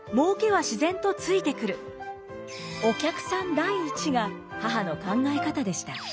第一が母の考え方でした。